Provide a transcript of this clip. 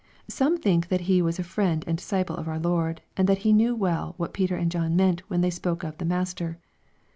Some think that he was a friend and disciple of our Lord, and that He knew well what Peter and John meant, when they spoke of the " Master."